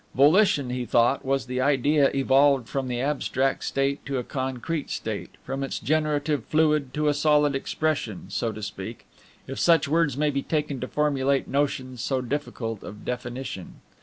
Volition, he thought, was the Idea evolved from the abstract state to a concrete state, from its generative fluid to a solid expression, so to speak, if such words may be taken to formulate notions so difficult of definition.